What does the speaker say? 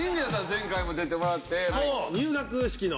前回も出てもらって。